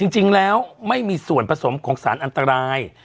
จริงแล้วไม่มีส่วนผสมของสารอันตราย